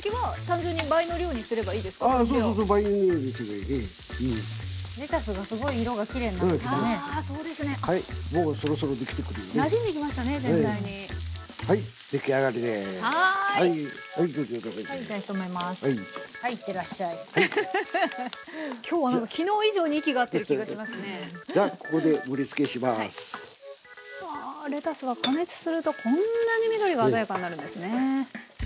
わレタスは加熱するとこんなに緑が鮮やかになるんですね。